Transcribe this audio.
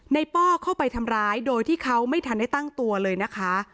ป้อเข้าไปทำร้ายโดยที่เขาไม่ทันได้ตั้งตัวเลยนะคะ